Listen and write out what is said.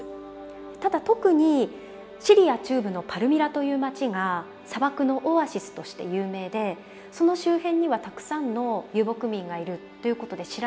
ただ特にシリア中部のパルミラという町が砂漠のオアシスとして有名でその周辺にはたくさんの遊牧民がいるということで知られてたんですよね。